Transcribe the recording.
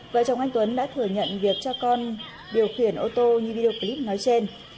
vợ chồng anh tuấn đã thừa nhận việc cho con điều khiển ô tô như video clip nói trên